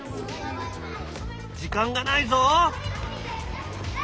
時間がないぞ！